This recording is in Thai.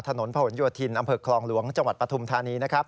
ถนนพหลวงยวทินอำเผิกคลองหลวงจังหวัดปธุมธานี